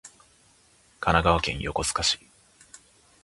神奈川県横須賀市